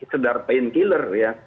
sedar pain killer ya